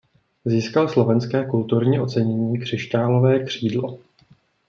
Získal slovenské kulturní ocenění Křišťálové křídlo.